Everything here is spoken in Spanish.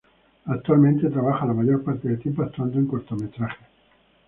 Actualmente trabaja la mayor parte del tiempo actuando en cortometrajes.